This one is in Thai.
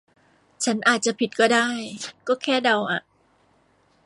ฉันอาจจะผิดก็ได้ ก็แค่เดาอ่ะ